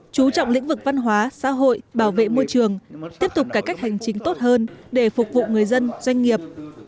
chú trọng lĩnh vực văn hóa xã hội bảo vệ môi trường tiếp tục cải cách hành chính tốt hơn để phục vụ người dân doanh nghiệp